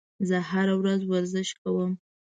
زه هره ورځ ورزش